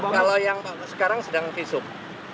kalau yang pak bambal sekarang sedang visum